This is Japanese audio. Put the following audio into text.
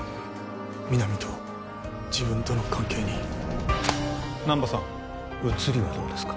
皆実と自分との関係に難波さん写りはどうですか？